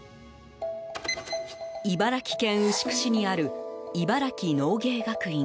茨城県牛久市にある茨城農芸学院。